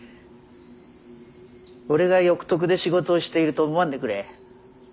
俺が欲得で仕事をしていると思わんでくれ。